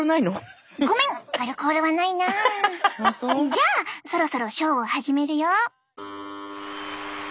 じゃあそろそろショーを始めるよ。